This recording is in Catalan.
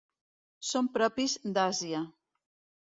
Són propis d'Àsia.